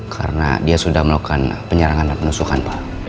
karena dia sudah melakukan penyerangan dan penusuhan pak